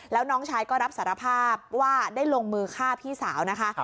แล้วน้องชายก็รับสารภาพว่าได้ลงมือฆ่าพี่สาวนะคะ